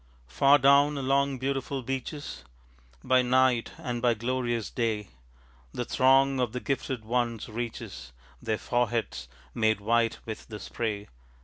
Far down along beautiful beeches, By night and by glorious day, The throng of the gifted ones reaches, Their foreheads made white with the spray.